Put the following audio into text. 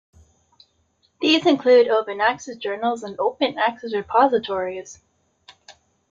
These include open access journals and open access repositories.